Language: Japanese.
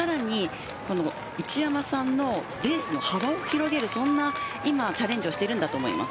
一山さんのレースの幅を広げるチャレンジをしていると思います。